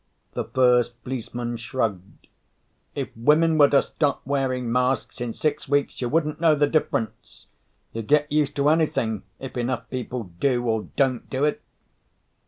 The first policeman shrugged. "If women were to stop wearing masks, in six weeks you wouldn't know the difference. You get used to anything, if enough people do or don't do it."